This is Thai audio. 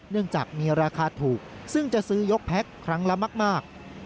เนื่องจากมีราคาถูกซึ่งจะซื้อยกแพ็คครั้งละมาก